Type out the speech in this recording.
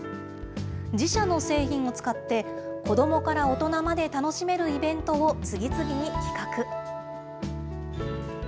自社の製品を使って、子どもから大人まで楽しめるイベントを次々に企画。